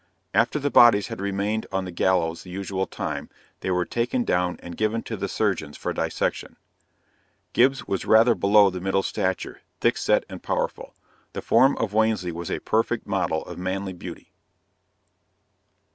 After the bodies had remained on the gallows the usual time, they were taken down and given to the surgeons for dissection. Gibbs was rather below the middle stature, thick set and powerful. The form of Wansley was a perfect model of manly beauty.